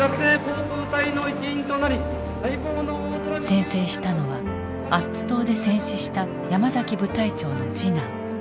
宣誓したのはアッツ島で戦死した山崎部隊長の次男。